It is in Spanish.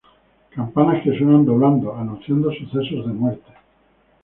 Campanas que suenan doblando, anunciando sucesos de muerte.